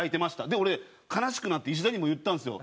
で俺悲しくなって石田にも言ったんですよ。